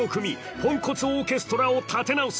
ポンコツオーケストラを立て直す